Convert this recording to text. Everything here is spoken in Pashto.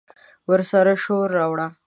ورسره شور، راوړه